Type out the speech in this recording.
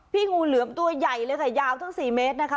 งูเหลือมตัวใหญ่เลยค่ะยาวตั้ง๔เมตรนะคะ